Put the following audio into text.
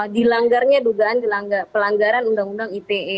dilanggarnya dugaan pelanggaran undang undang ite